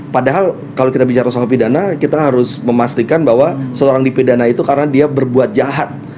padahal kalau kita bicara soal pidana kita harus memastikan bahwa seorang dipidana itu karena dia berbuat jahat